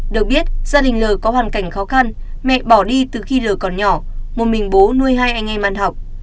được biết gia đình l có hoàn cảnh khó khăn mẹ bỏ đi từ khi lờ còn nhỏ một mình bố nuôi hai anh em ăn học